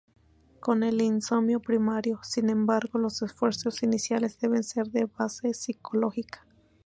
Con el insomnio primario, sin embargo, los esfuerzos iniciales deben ser de base psicológica.